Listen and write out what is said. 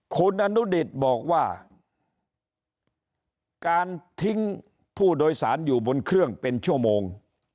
คุณอนุดิตบอกว่าการทิ้งผู้โดยสารอยู่บนเครื่องเป็นชั่วโมง